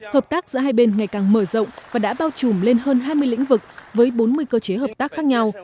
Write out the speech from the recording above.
hợp tác giữa hai bên ngày càng mở rộng và đã bao trùm lên hơn hai mươi lĩnh vực với bốn mươi cơ chế hợp tác khác nhau